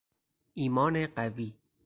ایمان قوی